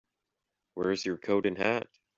Where's your coat and hat?